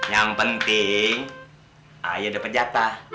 yang penting ayo dapat jatah